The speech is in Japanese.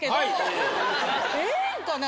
ええんかな？